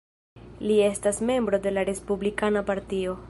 Li estas membro de la Respublikana Partio.